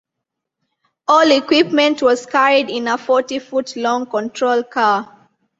All equipment was carried in a forty foot long control car.